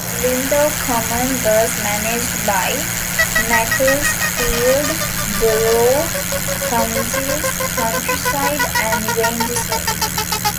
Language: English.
Lindow Common was managed by Macclesfield Borough Council's Countryside and Ranger Service.